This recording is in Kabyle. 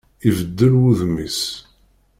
Ibeddel wudem-is.